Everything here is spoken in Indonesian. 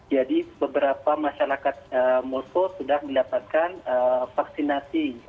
jadi beberapa masyarakat moskow sudah mendapatkan vaksinasi